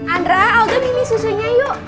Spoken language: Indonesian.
andra alda mimi susunya yuk